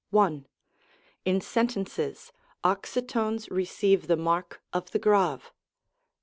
I. In sentences, oxytones receive the mark of the grave.